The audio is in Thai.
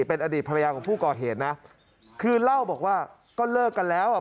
เป็นอดีตภรรยาของผู้ก่อเหตุนะคือเล่าบอกว่าก็เลิกกันแล้วอ่ะ